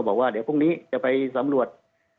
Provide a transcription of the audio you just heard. บอกว่าเดี๋ยวพรุ่งนี้จะไปสำรวจ